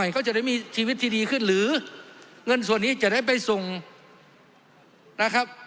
เขาจะได้มีชีวิตที่ดีขึ้นหรือเงินส่วนนี้จะได้ไปส่งนะครับ